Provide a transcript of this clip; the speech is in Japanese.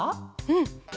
うん。